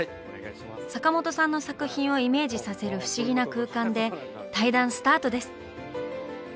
坂本さんの作品をイメージさせる不思議な空間で対談スタートです！